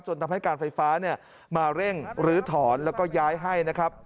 ทำให้การไฟฟ้ามาเร่งรื้อถอนแล้วก็ย้ายให้นะครับ